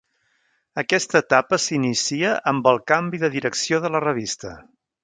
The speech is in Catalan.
Aquesta etapa s'inicia amb el canvi de direcció de la revista.